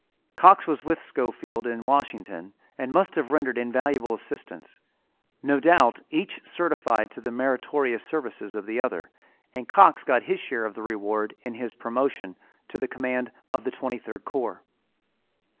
Cox was with Schofield in Washington and must have rendered invaluable assistance. No doubt each certified to the meritorious services of the other and Cox got his share of the reward in his promotion to the command of the twenty third corps.